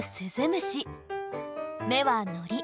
めはのり。